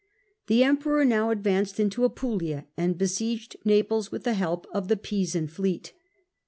The Emperor now vi. an7 advanced into Apulia and besieged Naples, with the help f^TomT of the Pisan fleet.